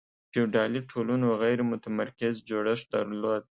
فیوډالي ټولنو غیر متمرکز جوړښت درلود.